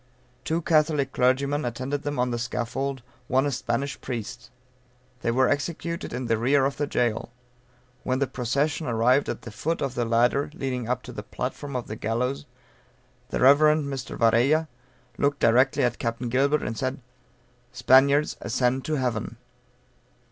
Two Catholic clergymen attended them on the scaffold, one a Spanish priest. They were executed in the rear of the jail. When the procession arrived at the foot of the ladder leading up to the platform of the gallows the Rev. Mr. Varella looking directly at Capt. Gilbert, said, "Spaniards, ascend to heaven."